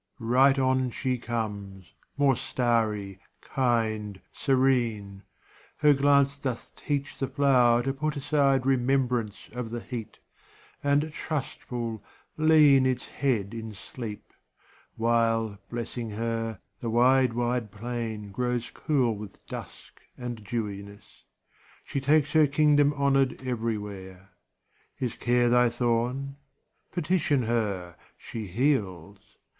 166 Right on she comes, more starry, kind, serene; Her glance doth teach the flower to put aside Remembrance of the heat, and, trustful, lean Its head in sleep ; while, blessing her, the wide, Wide plain grows cool with dusk and dewiness; She takes her kingdom honored everywhere. Is care thy thorn? Petition her; she heals.